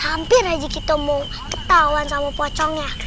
hampir aja kita mau ketauan sama pocongnya